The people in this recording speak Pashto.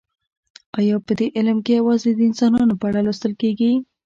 ایا په دې علم کې یوازې د انسانانو په اړه لوستل کیږي